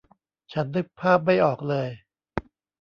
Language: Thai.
ฉันนึกภาพไม่ออกเลย